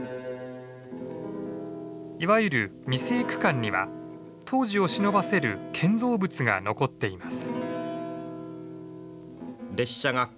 いわゆる未成区間には当時をしのばせる建造物が残っています。